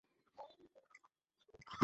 আর আমার বাবা সবসময়ই তাদের দেনায় থাকতেন।